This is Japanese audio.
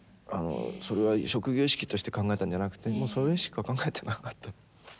それは職業意識として考えたんじゃなくてもうそれしか考えてなかった。